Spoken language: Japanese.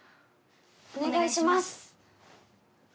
お願いします！